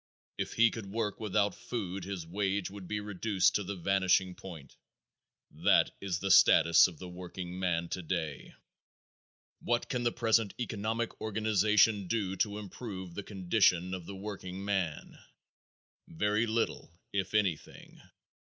If he could work without food his wage would be reduced to the vanishing point. That is the status of the workingman today. What can the present economic organization do to improve the condition of the workingman? Very little, if anything.